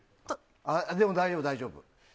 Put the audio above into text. でも、大丈夫、大丈夫。